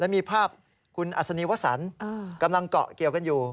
มีภาพคุณอัศนีวสันกำลังเกาะเกี่ยวกันอยู่